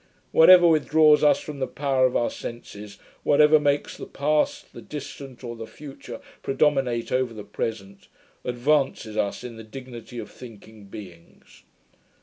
Whatever withdraws us from the power of our senses, whatever makes the past, the distant, or the future, predominate over the present, advances us in the dignity of thinking beings.